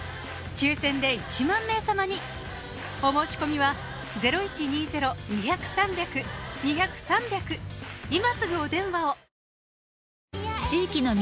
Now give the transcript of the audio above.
抽選で１万名様にお申し込みは今すぐお電話を！